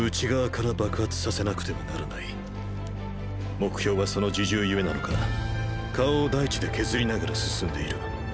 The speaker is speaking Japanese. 目標はその自重ゆえなのか顔を大地で削りながら進んでいる。